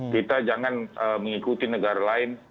kita jangan mengikuti negara lain